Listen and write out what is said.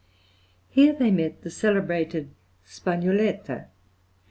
Here they met the celebrated Spagnoletta (Gius.